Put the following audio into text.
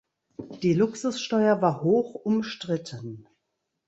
Die Luxussteuer war hoch umstritten.